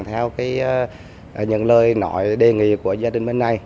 theo những lời nội đề nghị của gia đình bên này